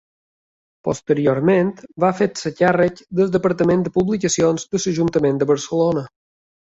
Posteriorment va fer-se càrrec del departament de publicacions de l'Ajuntament de Barcelona.